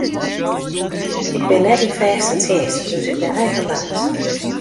Ik bin net yn fêste tsjinst, dus ik bin eigen baas.